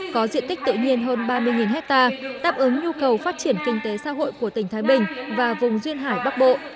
có diện tích tự nhiên hơn ba mươi hectare đáp ứng nhu cầu phát triển kinh tế xã hội của tỉnh thái bình và vùng duyên hải bắc bộ